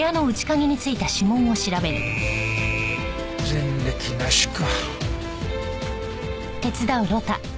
前歴なしか。